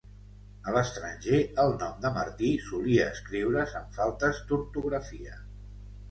A l'estranger, el nom de Martí solia escriure's amb faltes d'ortografia.